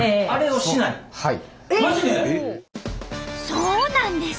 そうなんです。